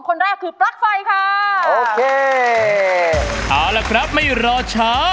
คนแรกคือปลั๊กไฟค่ะโอเคเอาละครับไม่รอช้า